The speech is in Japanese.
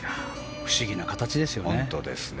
不思議な形ですよね。